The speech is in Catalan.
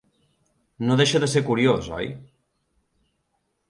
No deixa de ser curiós, oi?